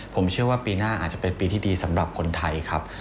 ผมเชื่อว่าปีหน้าอาจจะเป็นปีที่ดีสำหรับคนไทยครับ